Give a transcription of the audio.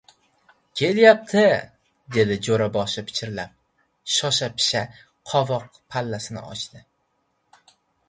— Kelyapti! — dedi jo‘raboshi pichirlab. Shosha-pisha qovoq pallasini ochdi.